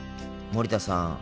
森田さん